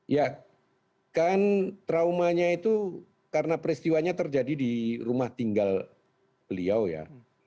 ya kan traumanya itu karena peristiwanya terjadi di rumah tinggal beliau ya